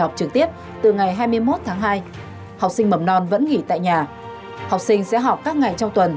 học trực tiếp từ ngày hai mươi một tháng hai học sinh mầm non vẫn nghỉ tại nhà học sinh sẽ học các ngày trong tuần